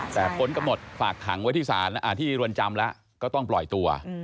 แต่พ้นกำหนดฝากขังไว้ที่ศาลที่รวนจำแล้วก็ต้องปล่อยตัว